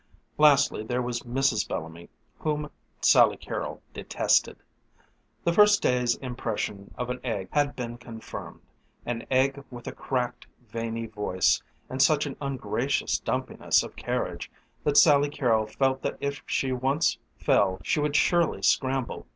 Lastly there was Mrs. Bellamy, whom Sally Carrol detested. The first day's impression of an egg had been confirmed an egg with a cracked, veiny voice and such an ungracious dumpiness of carriage that Sally Carrol felt that if she once fell she would surely scramble.